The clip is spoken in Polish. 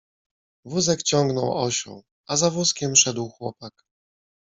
Wózek ciągnął osioł, a za wózkiem szedł chłopak.